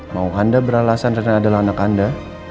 mau anda beralasan rena adalah anak anda